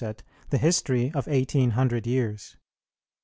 the history of eighteen hundred years.